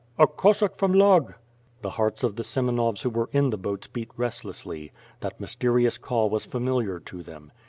"A Cossack from Lug!" The hearts of the Semenovs who were in the boats beat restlessly. I^hat mysterious call was familiar to them.